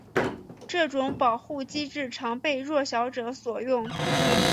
这种保护机制常被弱小者所用。